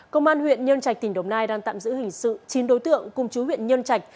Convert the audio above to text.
công an huyện nhân trạch tỉnh đồng nai đang tạm giữ hình sự chín đối tượng cùng chú huyện nhân trạch